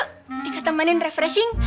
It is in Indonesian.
yuk tika temenin refreshing